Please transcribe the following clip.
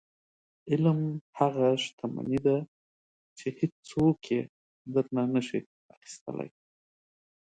• علم هغه شتمني ده چې هیڅوک یې درنه نشي اخیستلی.